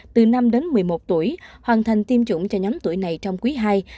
từ năm đến một mươi một tuổi hoàn thành tiêm chủng cho nhóm tuổi này trong quý hai hai nghìn hai mươi hai